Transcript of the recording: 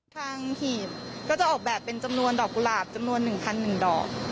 หีบก็จะออกแบบเป็นจำนวนดอกกุหลาบจำนวน๑๑ดอก